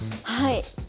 はい。